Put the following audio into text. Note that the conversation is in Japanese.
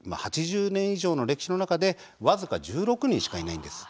８０年以上の歴史の中で僅か１６人しかいないんです。